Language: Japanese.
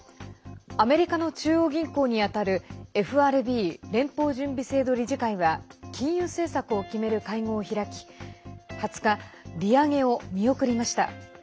アメリカの中央銀行にあたるＦＲＢ＝連邦準備制度理事会は金融政策を決める会合を開き２０日、利上げを見送りました。